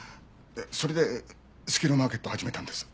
それでスキルマーケットを始めたんです。